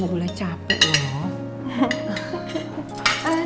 kamu mau ula capek loh